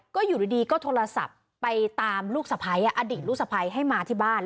ก็อยู่ดีโทรศัพท์ไปหาอดีตลูกสะไภให้มาที่บ้าน